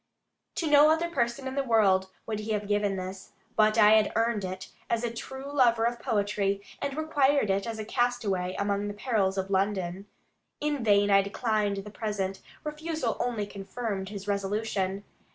To no other person in the world would he have given this, but I had earned it, as a true lover of poetry, and required it as a castaway among the perils of London. In vain I declined the present; refusal only confirmed his resolution.